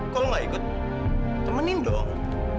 kalau nggak ikut temenin dong